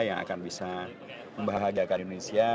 yang akan bisa membahagiakan indonesia